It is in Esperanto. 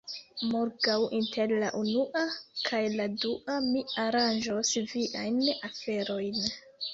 Morgaŭ, inter la unua kaj la dua, mi aranĝos viajn aferojn.